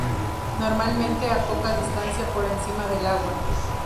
Normalmente a poca distancia por encima del agua.